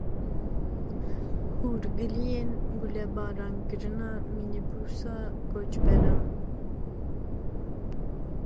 Hûrgiliyên gulebarankirina mînîbûsa koçberan.